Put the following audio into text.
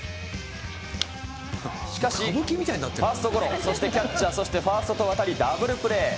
しかし、ファーストゴロ、そしてキャッチャー、そしてファーストと渡り、ダブルプレー。